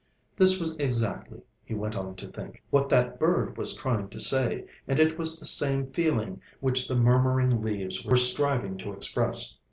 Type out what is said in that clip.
This was exactly, he went on to think, what that bird was trying to say, and it was the same feeling which the murmuring leaves were striving to express.